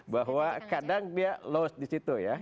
bahwa kadang dia loss di situ ya